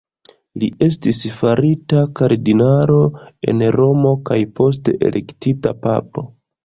Li estis farita kardinalo en Romo, kaj poste elektita papo.